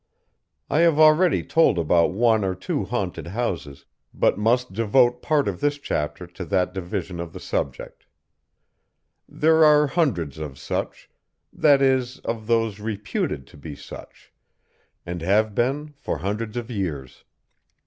I have already told about one or two haunted houses, but must devote part of this chapter to that division of the subject. There are hundreds of such that is, of those reputed to be such; and have been for hundreds of years.